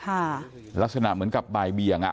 เอาเป็นว่าอ้าวแล้วท่านรู้จักแม่ชีที่ห่มผ้าสีแดงไหม